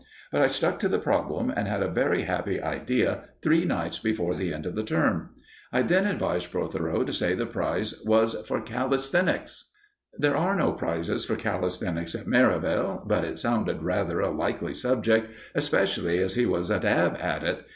But I stuck to the problem, and had a very happy idea three nights before the end of the term. I then advised Protheroe to say the prize was for "calisthenics." There are no prizes for calisthenics at Merivale; but it sounded rather a likely subject, especially as he was a dab at it.